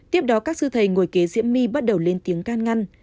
tiếp đó các sư thầy ngồi kế diễm my bắt đầu lên tiếng can ngăn